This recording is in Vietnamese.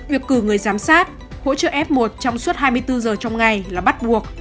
việc cử người giám sát hỗ trợ f một trong suốt hai mươi bốn giờ trong ngày là bắt buộc